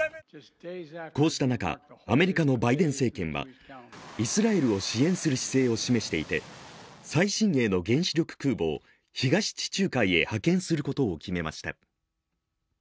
こうした中、アメリカのバイデン政権はイスラエルを支援する姿勢を示していて、最新鋭の原子力空母を東地中海へ派遣することを決めました。